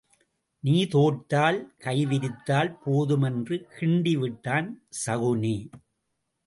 நீ தோற்றால் கைவிரித்தால் போதும் என்று கிண்டி விட்டான் சகுனி.